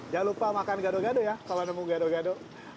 jangan lupa makan gaduh gaduh ya kalau nemu gaduh gaduh